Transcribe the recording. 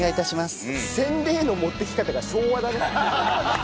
宣伝への持っていき方が昭和だね。